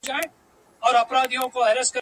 شاه محمود ته د خپلو نږدې کسانو د مړینې خبر ورسېد.